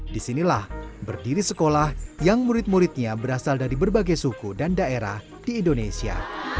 disinilah berdiri sekolah yang murid muridnya berasal dari berbagai suku dan daerah di indonesia